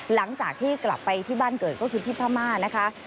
หลังจากที่กลับไปที่บ้านเกิดก็คือที่พม่านะคะ